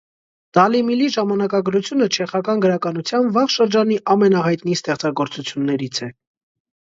Դալիմիլի ժամանակագրությունը չեխական գրականության վաղ շրջանի ամենահայտնի ստեղծագործություններից է։